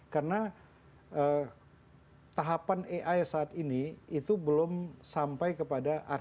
karena tahapan ai saat ini itu belum sampai kepada artificial